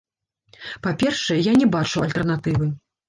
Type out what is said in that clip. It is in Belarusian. Па-першае, я не бачу альтэрнатывы.